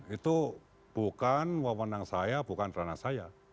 itu bukan wawonan saya bukan ranah saya